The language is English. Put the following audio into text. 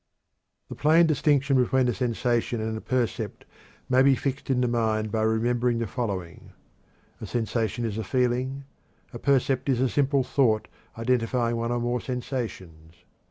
The plain distinction between a sensation and a percept may be fixed in the mind by remembering the following: A sensation is a feeling; a percept is a simple thought identifying one or more sensations.